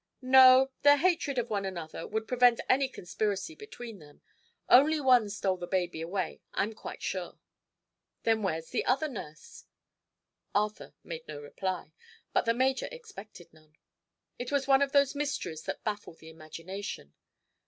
"No; their hatred of one another would prevent any conspiracy between them. Only one stole the baby away, I'm quite sure." "Then where's the other nurse?" Arthur made no reply, but the major expected none. It was one of those mysteries that baffle the imagination.